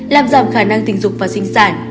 làm giảm khả năng tình dục và sinh sản